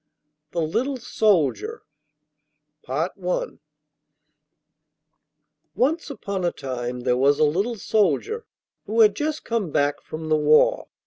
THE LITTLE SOLDIER I Once upon a time there was a little soldier who had just come back from the war.